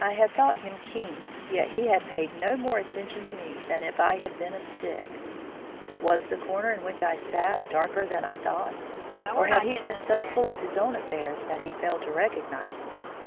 I had thought him keen, yet he had paid no more attention to me than if I had been a stick. Was the corner in which I sat darker than I thought, or had he been so full of his own affairs that he failed to recognise me?